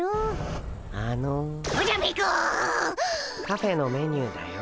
カフェのメニューだよ。